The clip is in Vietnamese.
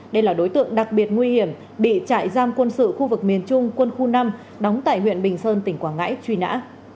đây là đối tượng đặc biệt nguy hiểm bị trại giam quân sự khu vực miền trung quân khu năm đóng tại huyện bình sơn tỉnh quảng ngãi truy nã